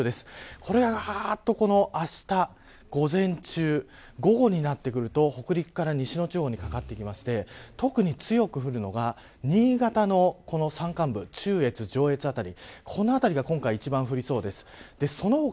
これが、あした午前中午後になってくると北陸から西の地方にかかってきて特に強く降るのが新潟の山間部中越、上越辺りこの辺りが今回一番降りそうです。